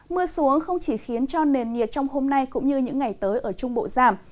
mưa xuống không chỉ khiến cho nền nhiệt trong hôm nay cũng như những ngày tới ở trung bộ giảm